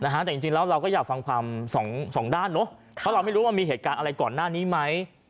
แต่จริงแล้วเราก็อยากฟังความสองด้านเนอะเพราะเราไม่รู้ว่ามีเหตุการณ์อะไรก่อนหน้านี้ไหม